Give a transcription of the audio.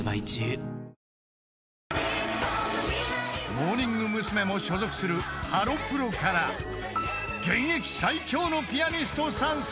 ［モーニング娘。も所属するハロプロから現役最強のピアニスト参戦！］